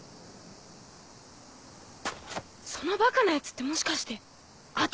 そのバカなヤツってもしかして私？